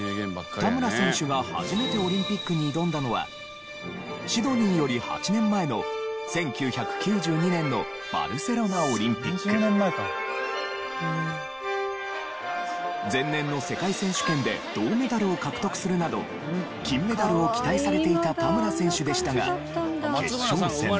田村選手が初めてオリンピックに挑んだのはシドニーより８年前の前年の世界選手権で銅メダルを獲得するなど金メダルを期待されていた田村選手でしたが決勝戦で。